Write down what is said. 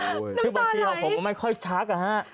ไปที่เปลี่ยนของผมไม่ค่อยชัก